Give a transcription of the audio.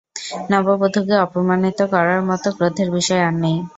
নববধূকে অপমানিত করার মত ক্রোধের বিষয় আর নেই।